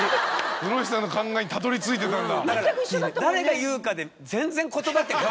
室伏さんの考えにたどり着いてたんだ。